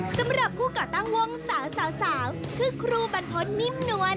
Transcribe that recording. สำหรับผู้ก่อตั้งวงสาวสาวคือครูบรรพฤษนิ่มนวล